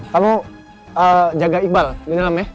kamu jaga iqbal di dalamnya